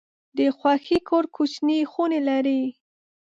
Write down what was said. د خوښۍ کور کوچني خونې لري.